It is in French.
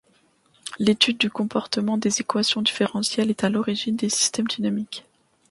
L'étude du comportement des équations différentielles est à l'origine des systèmes dynamiques.